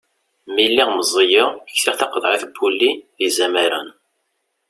Mi lliɣ meẓẓiyeɣ, ksiɣ taqeḍɛit n wulli d yizamaren.